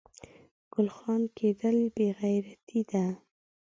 ګل خان کیدل بې غیرتي ده